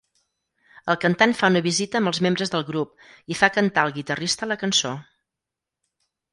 El cantant fa una visita amb els membres del grup i fa cantar el guitarrista la cançó